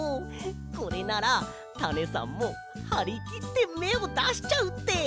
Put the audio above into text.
これならタネさんもはりきってめをだしちゃうって！